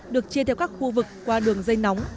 được chia theo các khu vực qua đường dây nóng